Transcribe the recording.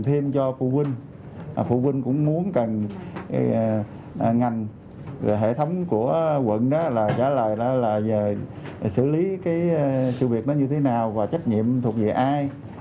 thêm cho phụ huynh phụ huynh cũng muốn cần ngành hệ thống của quận đó là trả lời đó là xử lý cái sự việc nó như thế nào và trách nhiệm thuộc về ai